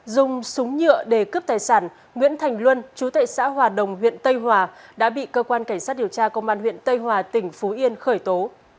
dùng súng nhựa để cướp tài sản nguyễn thành luân chú tại xã hòa đồng huyện tây hòa đã bị cơ quan cảnh sát điều tra công an huyện tây hòa tỉnh phú yên khởi tố